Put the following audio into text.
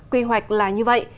quy hoạch là như vậy